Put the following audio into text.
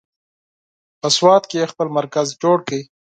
په سوات کې یې خپل مرکز جوړ کړ.